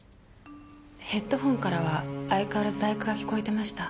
ヘッドホンからは相変わらず『第九』が聴こえてました。